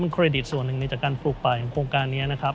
เป็นเครดิตส่วนหนึ่งในการปลูกปลายของโครงการนี้